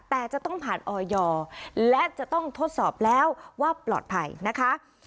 แต่จะต้องผ่านออยและจะต้องทดสอบแล้วว่าปลอดภัยนะคะ